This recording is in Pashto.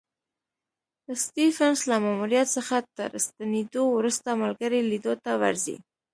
سټېفنس له ماموریت څخه تر ستنېدو وروسته ملګري لیدو ته ورځي.